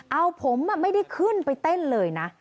เอาผมไม่ได้ขึ้นไปเต้นเลยนะ